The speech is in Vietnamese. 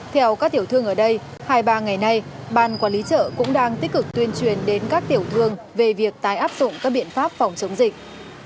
theo các tiểu thương ở đây hai ba ngày nay ban quản lý chợ cũng đang tích cực tuyên truyền đến các tiểu thương về việc tái áp dụng các biện pháp phòng chống dịch